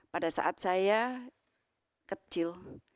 pada saat saya kecil